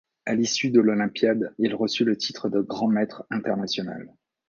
À l'issue de l'olympiade, il reçut le titre de Grand maître international.